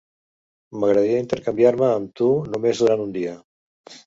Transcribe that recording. M'agradaria intercanviar-me amb tu només durant un dia.